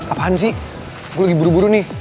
apaan sih gue lagi buru buru nih